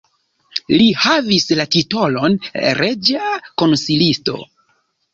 Li havis la titolon reĝa konsilisto.